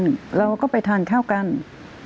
คุณแม่ก็ไม่อยากคิดไปเองหรอก